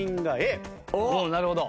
なるほど。